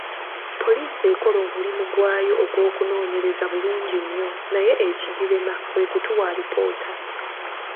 Poliisi ekola omulimu gwayo ogw'okunoonyereza bulungi nnyo, naye ekigirema kwe kutuwa alipoota.